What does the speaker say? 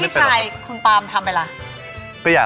ไม่อยากเหมือนกันครับ